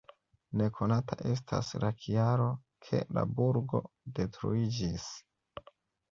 Nekonata estas la kialo, ke la burgo detruiĝis.